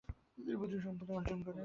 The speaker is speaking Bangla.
তিনি প্রচুর সম্পদ অর্জন করেন।